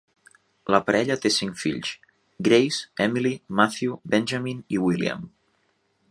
La parella té cinc fills: Grace, Emily, Matthew, Benjamin i William.